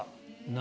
何？